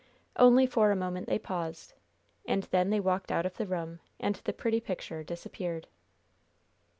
Only for a moment they paused, and then they walked out of the room, and the pretty picture disappeared.